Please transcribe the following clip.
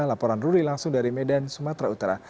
laporan ruli langsung dari medan sumatera utara